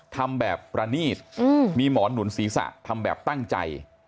ทำแบบประนีตมีหมอนหนุนศีรษะทำแบบตั้งใจ